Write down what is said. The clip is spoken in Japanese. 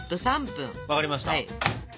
分かりました。